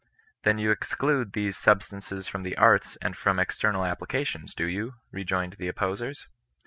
" Then you exclude these sub stances from the arts and from external applications, do you ?" rejoined the opposers.